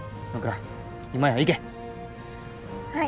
はい！